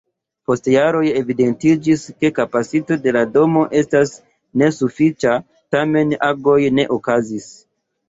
Post jaroj evidentiĝis, ke kapacito de la domo estas nesufiĉa, tamen agoj ne okazis.